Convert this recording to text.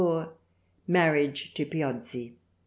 Marriage to Piozzi.